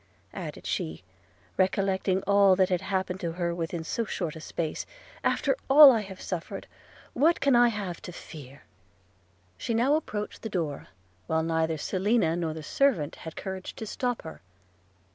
added she, recollecting all that had happened to her within so short a space – 'after all I have suffered, what can I have to fear?' She now approached the door, while neither Selina nor the servant had courage to stop her.